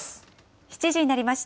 ７時になりました。